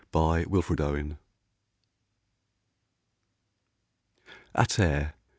55 WILFRED OWEN. A TERRE.